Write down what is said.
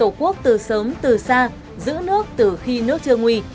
bảo vệ tổ quốc từ sớm từ xa giữ nước từ khi nước chưa nguy